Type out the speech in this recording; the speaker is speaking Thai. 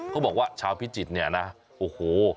เขาบอกว่าชาวพิจิตรเนี่ยนะโอ้โห